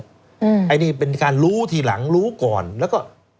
อันนี้เป็นการรู้ทีหลังรู้ก่อนแล้วก็